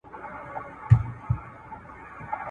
زه هره ورځ سړو ته خواړه ورکوم؟!